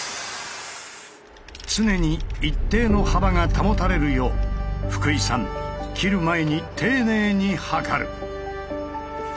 常に一定の幅が保たれるよう福井さん切る前に丁寧に測る。